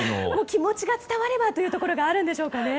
気持ちが伝わればというところがあるんでしょうかね。